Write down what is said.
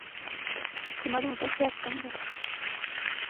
که عینکې وي نو سترګې نه زیانمن کیږي.